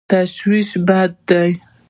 تشویش بد دی.